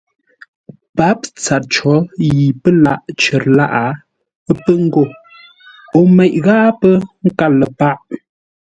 Pǎp tsâr có yi pə́ lâʼ cər lâʼ pə́ ngô o meʼ ghâa pə́ nkâr ləpâʼ.